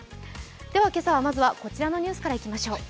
今朝は、まずはこちらのニュースからいきましょう。